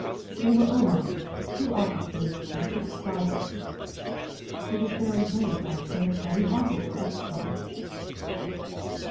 They were uhlans, two officers and six privates." "It was very brave," I said. "A remarkable exploit."